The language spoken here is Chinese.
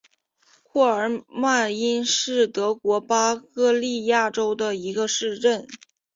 库尔迈因是德国巴伐利亚州的一个市镇。